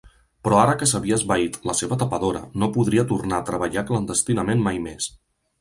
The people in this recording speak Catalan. Però ara que s'havia esvaït la seva tapadora, no podria tornar a treballar clandestinament mai més.